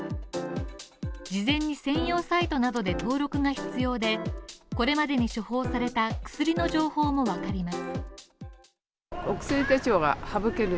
事前に専用サイトなどで登録が必要で、これまでに処方された薬の情報もわかります。